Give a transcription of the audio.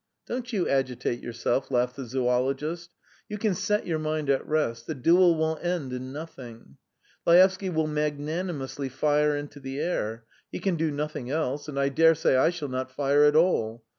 "Don't you agitate yourself," laughed the zoologist. "You can set your mind at rest; the duel will end in nothing. Laevsky will magnanimously fire into the air he can do nothing else; and I daresay I shall not fire at all.